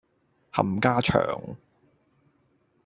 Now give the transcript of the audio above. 冚家祥